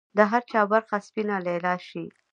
د هر چا برخه سپینه لیلا شي